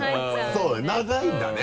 そうだね長いんだね。